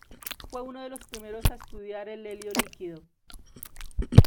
Fue uno de los primeros a estudiar el helio líquido.